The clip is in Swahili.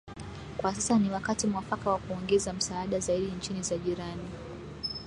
kwa sasa ni wakati muafaka wa kuongeza misaada zaidi nchini za jirani